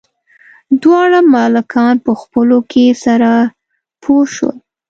دواړه ملکان په خپلو کې سره پوه شول.